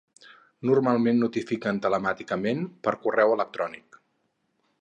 Normalment notifiquen telemàticament, per correu electrònic.